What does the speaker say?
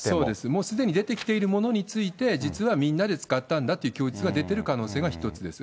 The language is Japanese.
もうすでに出てきているものについて、実はみんなで使ったんだという供述が出てる可能性が一つです。